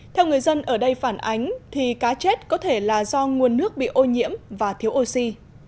theo người dân ở đây phản ánh thì cá chết có thể là do nguồn nước bị ô nhiễm và thiếu oxy